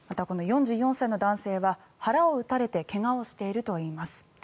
この４４歳の男性は腹を撃たれて怪我をしているということです。